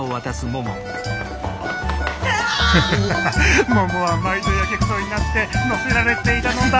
ハハハハももは毎度やけくそになって乗せられていたのだ！